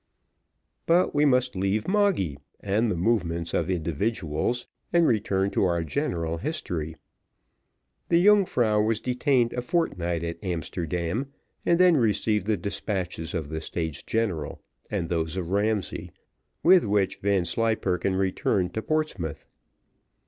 But we must leave Moggy and the movements of individuals, and return to our general history. The Yungfrau was detained a fortnight at Amsterdam, and then received the despatches of the States General and those of Ramsay, with which Vanslyperken returned to Portsmouth.